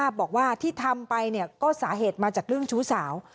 บอกว่าที่ทำไปเนี่ยก็สาเหตุมาจากเรื่องชู้สาว